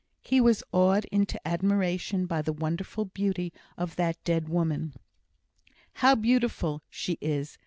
He was awed into admiration by the wonderful beauty of that dead woman. "How beautiful she is!"